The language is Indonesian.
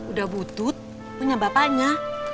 udah butut punya bapaknya